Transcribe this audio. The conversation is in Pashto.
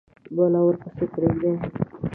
بلا ورپسي پریده یﺉ